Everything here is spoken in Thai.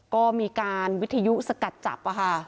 ก็มีการวิทยุสกัดจับ